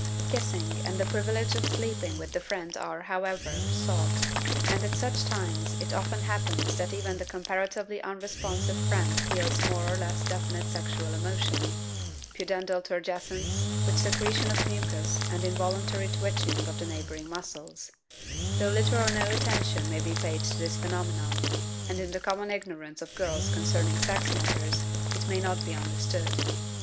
Kissing and the privilege of sleeping with the friend are, however, sought, and at such times it often happens that even the comparatively unresponsive friend feels more or less definite sexual emotion (pudendal turgescence, with secretion of mucus and involuntary twitching of the neighboring muscles), though little or no attention may be paid to this phenomenon, and in the common ignorance of girls concerning sex matters it may not be understood.